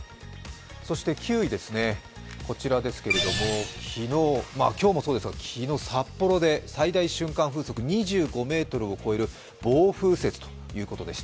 そして９位ですね、こちらですけれども、今日もそうですが、昨日札幌で最大瞬間風速２５メートルを超える暴風雪ということでした。